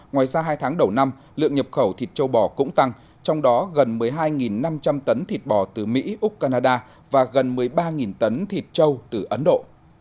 ngoài ra hai tháng đầu năm lượng nhập khẩu thịt châu bò cũng tăng trong đó gần một mươi hai năm trăm linh tấn thịt bò từ mỹ úc canada và gần một mươi ba tấn thịt châu từ ấn độ